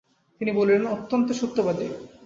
তিনি বলেনঃ ‘অত্যন্ত সত্যবাদী’ ।